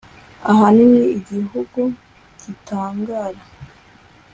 Ahanini igihugu gitangara